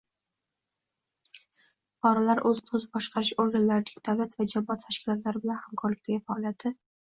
fuqarolar o‘zini o‘zi boshqarish organlarining davlat va jamoat tashkilotlari bilan hamkorlikdagi faoliyati